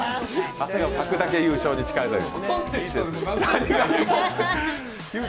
汗をかくだけ優勝に近くなるという。